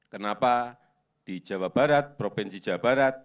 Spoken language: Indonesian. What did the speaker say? kenapa di jawa barat provinsi jawa barat